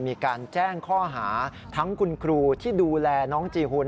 มีการแจ้งข้อหาทั้งคุณครูที่ดูแลน้องจีหุ่น